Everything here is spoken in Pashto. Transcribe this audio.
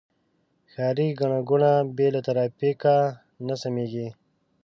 ښاري ګڼه ګوڼه بې له ترافیکه نه سمېږي.